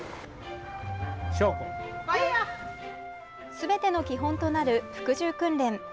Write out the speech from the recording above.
すべての基本となる服従訓練。